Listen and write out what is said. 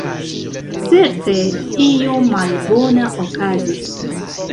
Certe io malbona okazis.